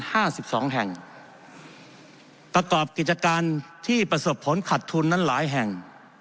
ห้าสิบสองแห่งประกอบกิจการที่ประสบผลขัดทุนนั้นหลายแห่ง